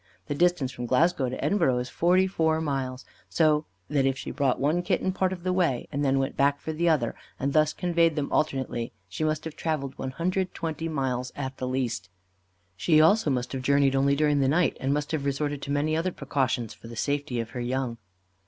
The distance from Glasgow to Edinburgh is forty four miles, so that if she brought one kitten part of the way, and then went back for the other, and thus conveyed them alternately, she must have travelled 120 miles at least. She, also, must have journeyed only during the night, and must have resorted to many other precautions for the safety of her young.